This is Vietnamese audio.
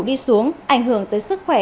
đi xuống ảnh hưởng tới sức khỏe